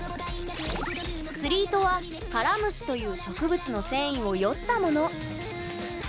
釣り糸はカラムシという植物の繊維をよったもの。